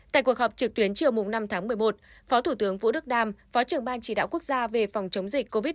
tại cuộc họp trực tuyến chiều năm tháng một mươi một phó thủ tướng vũ đức đam phó trưởng ban chỉ đạo quốc gia về phòng chống dịch covid một mươi chín